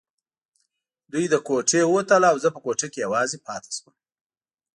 دوی له کوټې ووتل او زه په کوټه کې یوازې پاتې شوم.